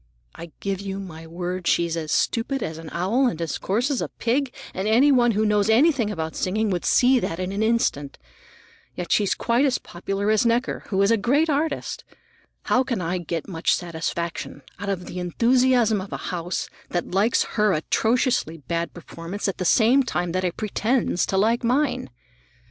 I give you my word she's as stupid as an owl and as coarse as a pig, and any one who knows anything about singing would see that in an instant. Yet she's quite as popular as Necker, who's a great artist. How can I get much satisfaction out of the enthusiasm of a house that likes her atrociously bad performance at the same time that it pretends to like mine?